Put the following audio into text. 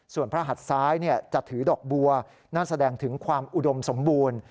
ส่วนพระหัดซ้ายจะถือดอกบัวนั่นแสดงถึงความอุดมสมบูรณ์